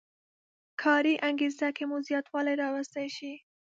کاري انګېزه کې مو زیاتوالی راوستلی شي.